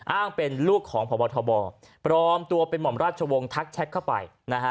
อ้างเป็นลูกของพบทบปลอมตัวเป็นหม่อมราชวงศ์ทักแชทเข้าไปนะฮะ